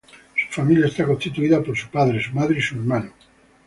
Su familia está constituida por su padre, su madre y su hermano.